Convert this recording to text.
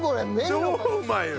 超うまいよ！